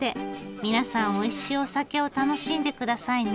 皆さんおいしいお酒を楽しんでくださいね。